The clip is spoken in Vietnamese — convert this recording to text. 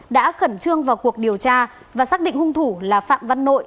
đã khẩn trương vào cuộc điều tra và xác định hung thủ là phạm văn nội